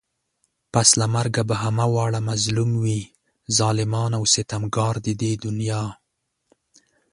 پس له مرگه به همه واړه مظلوم وي ظالمان و ستمگار د دې دنيا